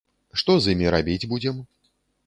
Што з імі рабіць будзем?